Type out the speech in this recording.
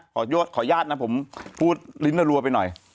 ขออนุญาตนะผมพูดลิ้นรัวไปหน่อย